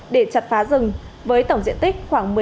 để chặt phá rừng với tổng diện tích khoảng một mươi m hai